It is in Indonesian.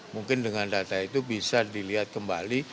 mungkin dengan data itu bisa dilihat kembali